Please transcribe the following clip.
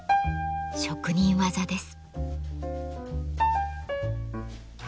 職人技です。